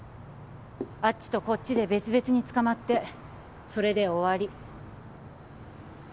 あっちとこっちで別々に捕まってそれで終わり